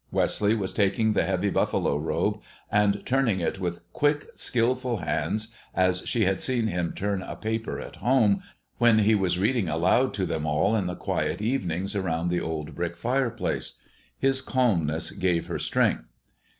Wesley was taking the heavy buffalo robe and turning it with quick, skillful hands, as she had seen him turn a paper at home when he was reading aloud to them all in the quiet evenings around the old brick fireplace. His calmness gave her strength.